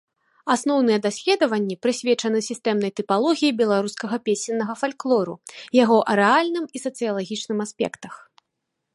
Асноўныя даследаванні прысвечаны сістэмнай тыпалогіі беларускага песеннага фальклору, яго арэальным і сацыялагічным аспектах.